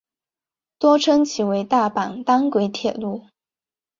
多称其为大阪单轨铁路。